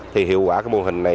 thì hiệu quả mô hình này